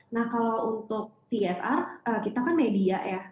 nah kalau untuk tfr kita kan media ya